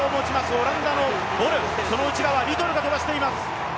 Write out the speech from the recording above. オランダのボル、その内側、リトルが飛ばしています